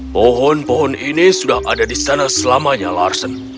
pohon pohon ini sudah ada di sana selamanya larsen